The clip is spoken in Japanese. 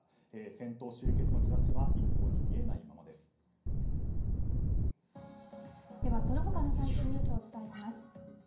戦闘終結の兆しはではその他の最新ニュースをお伝えします。